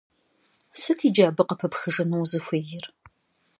Сыт иджы абы къыпыпхыжыну узыхуейр?